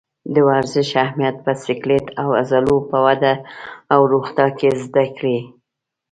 د ورزش اهمیت په سکلیټ او عضلو په وده او روغتیا کې زده کړئ.